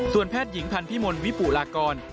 ส่วนแพทย์หญิงพันธ์พิมลวิปุรากร